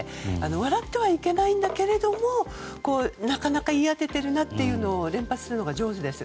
笑ってはいけないんだけれどもなかなか言い当てているなというのを連発するのが上手です。